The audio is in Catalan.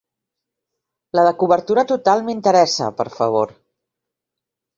La de cobertura total m'interessa, per favor.